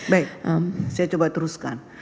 baik saya coba teruskan